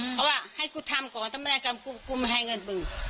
เพราะว่าให้กูทำก่อนถ้าไม่ได้ทำกูกูไม่ให้เงินมึง